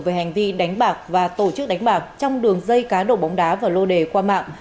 về hành vi đánh bạc và tổ chức đánh bạc trong đường dây cá độ bóng đá và lô đề qua mạng